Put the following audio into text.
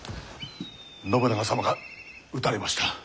信長様が討たれました。